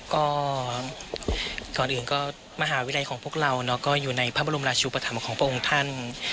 ก็ก่อนอื่นก็มหาวิทยาลัยของพวกเราก็อยู่ในพระบรมราชุปธรรมของพระองค์ท่าน